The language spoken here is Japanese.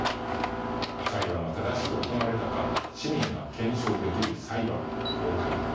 裁判が正しく行われたか市民が検証できる裁判の公開